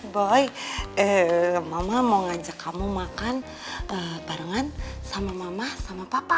boy mama mau ngajak kamu makan barengan sama mama sama papa